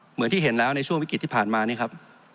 เหมือนที่เห็นแล้วในช่วงวิกฤตที่ผ่านมานี่ครับ